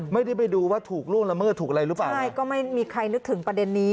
ไม่ได้ไปดูว่าถูกล่วงละเมิดถูกอะไรหรือเปล่าใช่ก็ไม่มีใครนึกถึงประเด็นนี้